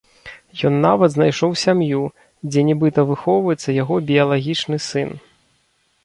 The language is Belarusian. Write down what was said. Ён нават знайшоў сям'ю, дзе нібыта выхоўваецца яго біялагічны сын.